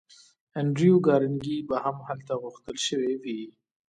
انډریو کارنګي به هم هلته غوښتل شوی وي